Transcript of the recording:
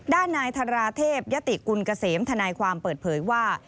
ด้านนายธาราเทพยติกุลเกษมทนายความเปิดเผยว่า